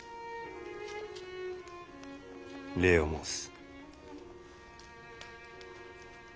礼を申す。